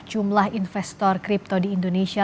jumlah investor kripto di indonesia